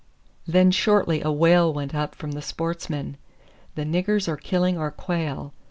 Then shortly a wail went up from the sportsmen, "The niggers are killing our quail."